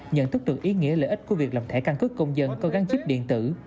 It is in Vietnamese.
nhận thức được ý nghĩa lợi ích của việc làm thể căn cứ công dân có găng chip điện tử